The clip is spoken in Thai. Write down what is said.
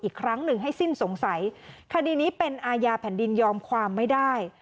อีกครั้งหนึ่งให้สิ้นสงสัยคดีนี้เป็นอาญาแผ่นดินยอมความไม่ได้